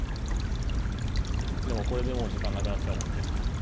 でもこれでもう時間なくなっちゃうもんね。